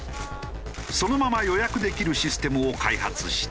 そのまま予約できるシステムを開発した。